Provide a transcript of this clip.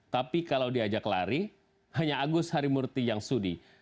tapi kalau diajak lari hanya agus harimurti yang sudi